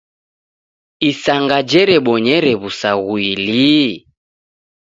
Isanga jerebonyere w'usaghui lii?